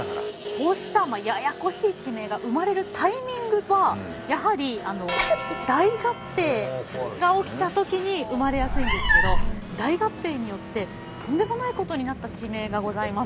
こうしたややこしい地名が生まれるタイミングはやはり大合併が起きた時に生まれやすいんですけど大合併によってとんでもないことになった地名がございます。